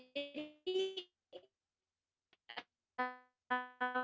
kita sudah mencoba